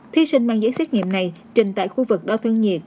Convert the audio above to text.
thí sinh mang giấy xét nghiệm này trình tại khu vực đo thân nhiệt